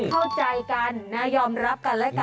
เข้าใจกันนะยอมรับกันและกัน